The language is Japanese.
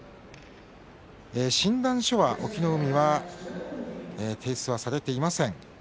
診断書は隠岐の海は提出されていません。